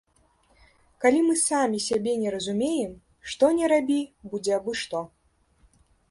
Калі мы самі сябе не разумеем, што ні рабі, будзе абы што.